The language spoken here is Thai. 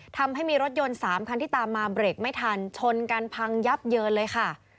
ทำให้มีรถยนต์๓คันที่ตามมาเบรกไม่ทันชนกันพังยับเยินเลยค่ะ